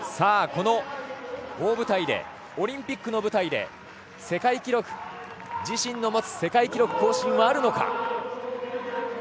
この大舞台でオリンピックの舞台で自身の持つ世界記録更新はあるのか。